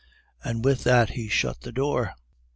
"And with that he shut the door.